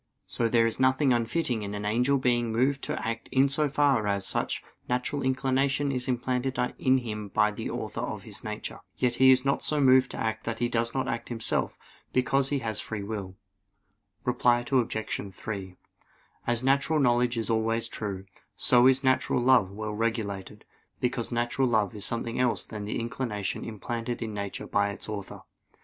So there is nothing unfitting in an angel being moved to act in so far as such natural inclination is implanted in him by the Author of his nature. Yet he is not so moved to act that he does not act himself, because he has free will. Reply Obj. 3: As natural knowledge is always true, so is natural love well regulated; because natural love is nothing else than the inclination implanted in nature by its Author.